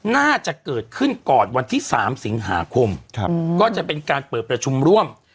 น่าจะเกิดขึ้นก่อนวันที่๓สิงหาคมก็จะเป็นการเปิดประชุมร่วม